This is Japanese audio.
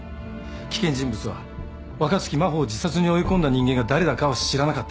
危険人物は若槻真帆を自殺に追い込んだ人間が誰だかは知らなかった。